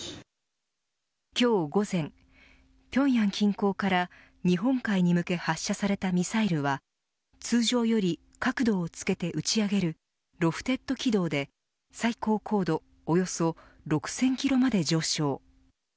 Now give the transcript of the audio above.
今日、午前ピョンヤン近郊から日本海に向け発射されたミサイルは通常より角度をつけて打ち上げるロフテッド軌道で最高高度およそ６０００キロまで上昇。